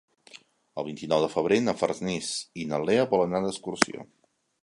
El vint-i-nou de febrer na Farners i na Lea volen anar d'excursió.